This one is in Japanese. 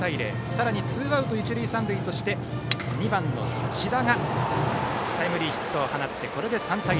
さらにツーアウト一塁三塁として２番の千田がタイムリーヒットを放ってこれで３対０。